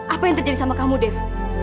apa yang terjadi sama kamu dev